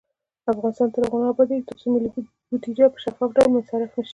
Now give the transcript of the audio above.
افغانستان تر هغو نه ابادیږي، ترڅو ملي بودیجه په شفاف ډول مصرف نشي.